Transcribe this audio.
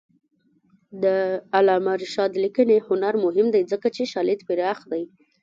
د علامه رشاد لیکنی هنر مهم دی ځکه چې شالید پراخ دی.